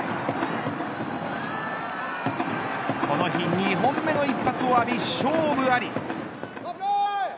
この日２本目の一発を浴び勝負あり。